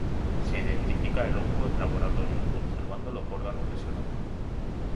Se identifica el hongo en laboratorio, observando los órganos lesionados.